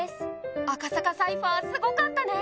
赤坂サイファーすごかったね。